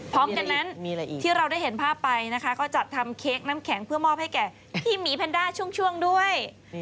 พร้อมกันนั้นที่เราได้เห็นภาพไปนะคะก็จัดทำเค้กน้ำแข็งเพื่อมอบให้แก่พี่หมีแพนด้าช่วงด้วย